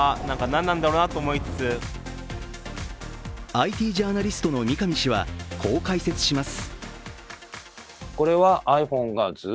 ＩＴジャーナリストの三上氏はこう解説します。